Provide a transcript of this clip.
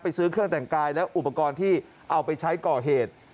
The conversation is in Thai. ซื้อเครื่องแต่งกายและอุปกรณ์ที่เอาไปใช้ก่อเหตุ